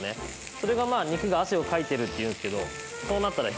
それが肉が汗をかいているっていうんですけど。